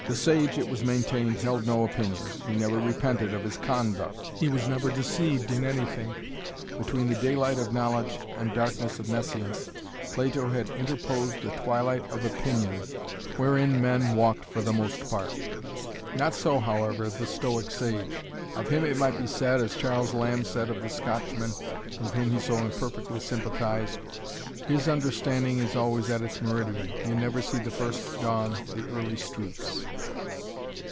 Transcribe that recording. The sage, it was maintained, held no opinions, he never repented of his conduct, he was never deceived in anything. Between the daylight of knowledge and darkness of nescience Plato had interposed the twilight of opinion wherein men walked for the most part. Not so however the Stoic sage. Of him it might be said, as Charles Lamb said of the Scotchman with whom he so imperfectly sympathized: "His understanding is always at its meridian you never see the first dawn, the early streaks."